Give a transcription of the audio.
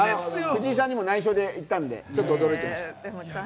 藤井さんにも内緒で行ったので驚いてました。